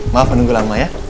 maaf menunggu lama ya